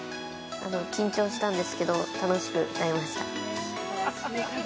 緊張したんですけど楽しく歌えました。